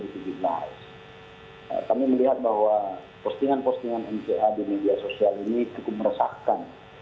kami melihat bahwa postingan postingan mca di media sosial ini cukup meresahkan